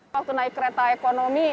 waktu naik kereta ekonomi